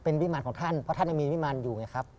เป็นวิมารของท่านเพราะท่านยังมีวิมารอยู่ไงครับ